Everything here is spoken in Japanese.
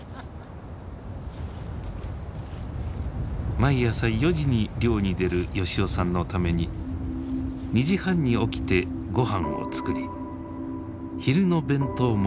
毎朝４時に漁に出る吉男さんのために２時半に起きてごはんを作り昼の弁当も持たせて海に送り出す。